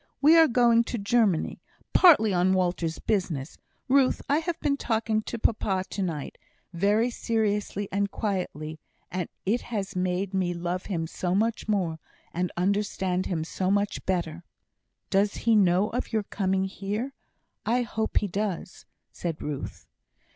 We are going to Germany, partly on Walter's business. Ruth, I have been talking to papa to night, very seriously and quietly, and it has made me love him so much more, and understand him so much better." "Does he know of your coming here? I hope he does," said Ruth.